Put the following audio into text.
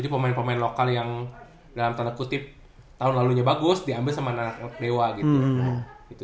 dianggap kok lokal yang dalam tanda kutip tahun lalu nya bagus diambil sama dewa gitu